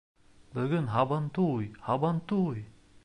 — Бөгөн һабантуй, һабантуй!